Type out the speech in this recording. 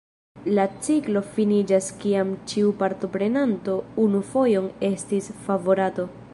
La ciklo finiĝas kiam ĉiu partoprenanto unu fojon estis favorato.